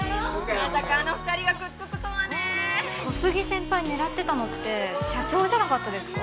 まさかあの２人がくっつくとはね小杉先輩狙ってたのって社長じゃなかったですか？